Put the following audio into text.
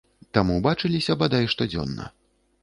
Таму бачыліся, бадай, штодзённа.